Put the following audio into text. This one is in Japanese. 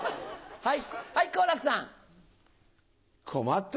はい。